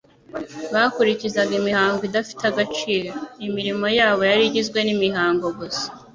Bakurikizaga imihango idafite agaciro. Imirimo yabo yari igizwe n'imihango gusa;